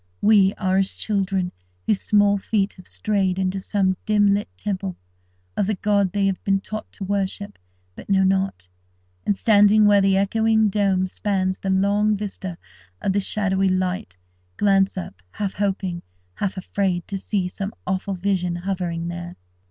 We are as children whose small feet have strayed into some dim lit temple of the god they have been taught to worship but know not; and, standing where the echoing dome spans the long vista of the shadowy light, glance up, half hoping, half afraid to see some awful vision hovering there.